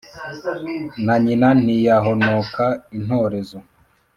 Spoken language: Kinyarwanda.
Na nyina ntiyahonoka intorezo.